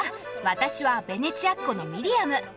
私はベネチアっ子のミリアム。